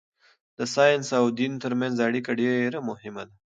د ساینس او دین ترمنځ اړیکه ډېره مهمه ده.